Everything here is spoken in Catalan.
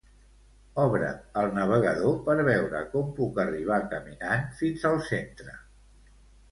Obre el navegador per veure com puc arribar caminant fins al centre.